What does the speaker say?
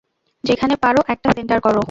যেখানে পার একটা সেণ্টার কর।